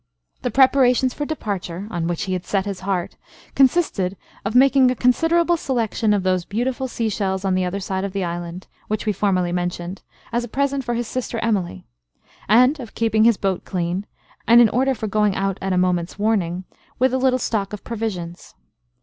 The preparations for departure (on which he had set his heart) consisted of making a considerable selection of those beautiful sea shells on the other side of the island, which we formerly mentioned, as a present for his sister Emily, and of keeping his boat clean, and in order for going out at a moment's warning, with a little stock of provisions.